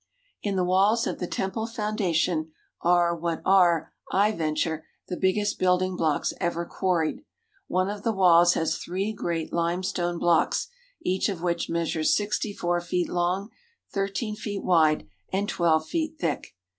In the walls of the temple foundation are what are, I venture, the biggest building blocks ever quarried. One of the walls has three great limestone blocks each of which measures sixty four feet long, thirteen feet wide, and twelve feet thick.